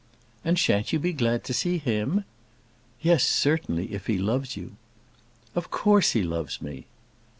"And shan't you be glad to see him?" "Yes, certainly, if he loves you." "Of course he loves me."